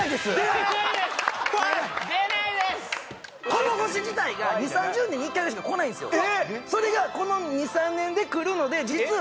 この星自体が２０３０年に１回ぐらいしか来ないんですよ